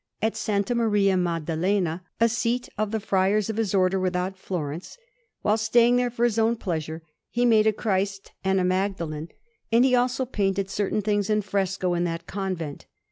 At S. Maria Maddalena, a seat of the Friars of his Order, without Florence, while staying there for his own pleasure, he made a Christ and a Magdalene; and he also painted certain things in fresco in that convent.